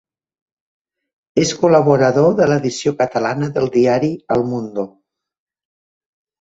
És col·laborador de l'edició catalana del diari El Mundo.